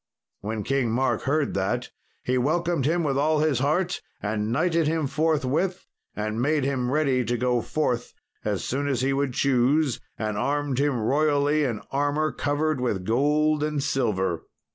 When King Mark heard that he welcomed him with all his heart, and knighted him forthwith, and made him ready to go forth as soon as he would choose, and armed him royally in armour covered with gold and silver.